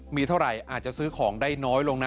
มีเท่าไหร่อาจจะซื้อของได้น้อยลงนะ